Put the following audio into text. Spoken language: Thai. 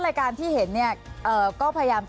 รัฐบาลนี้ใช้วิธีปล่อยให้จนมา๔ปีปีที่๕ค่อยมาแจกเงิน